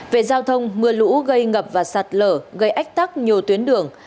về giao thông mưa lũ gây ngập và sạt lở gây ách tắc nhiều tuyến đường